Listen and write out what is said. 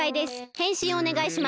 へんしんおねがいします。